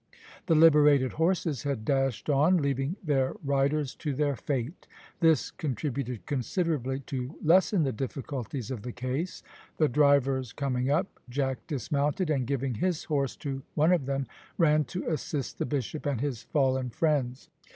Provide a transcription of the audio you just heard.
The liberated horses had dashed on, leaving their riders to their fate. This contributed considerably to lessen the difficulties of the case. The drivers coming up, Jack dismounted, and giving his horse to one of them ran to assist the bishop and his fallen friends.